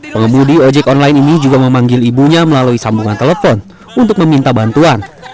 pengemudi ojek online ini juga memanggil ibunya melalui sambungan telepon untuk meminta bantuan